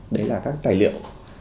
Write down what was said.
đấy là các tài liệu